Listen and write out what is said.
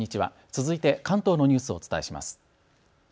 続いて関東のニュースをお伝えします。